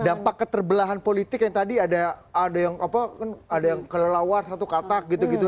dampak keterbelahan politik yang tadi ada yang kelelawar satu katak gitu gitu